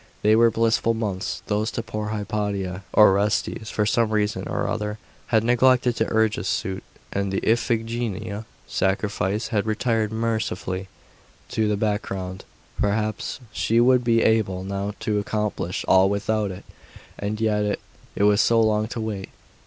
They were blissful months those to poor Hypatia. Orestes, for some reason or other, had neglected to urge his suit, and the Iphigenia sacrifice had retired mercifully into the background. Perhaps she should be able now to accomplish all without it. And yet it was so long to wait!